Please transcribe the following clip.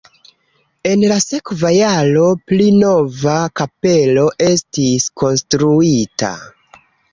En la sekva jaro pli nova kapelo estis konstruita.